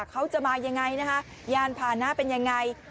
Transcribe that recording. เขาจะมายังไงนะคะยานผ่านหน้าเป็นยังไง